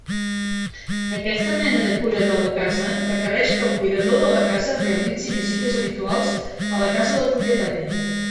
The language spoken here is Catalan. Aquesta mena de cura de la casa requereix que el cuidador de la casa realitzi visites habituals a la casa del propietari.